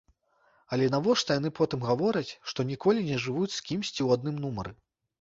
Але навошта яны потым гавораць, што ніколі не жывуць з кімсьці ў адным нумары?